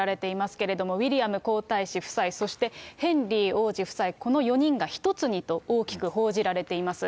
ウィリアム皇太子夫妻、そしてヘンリー王子夫妻、この４人が１つにと大きく報じられています。